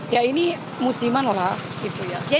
ya ini musiman lah gitu ya